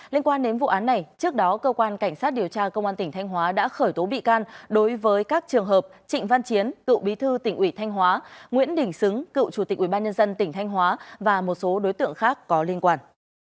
liên quan đến vụ án này trước đó cơ quan cảnh sát điều tra công an tỉnh thanh hóa đã khởi tố bị can đối với các trường hợp trịnh văn chiến cựu bí thư tỉnh ủy thanh hóa nguyễn đình xứng cựu chủ tịch ubnd tỉnh thanh hóa và một số đối tượng khác có liên quan